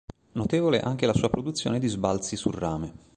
Notevole anche la sua produzione di sbalzi su rame.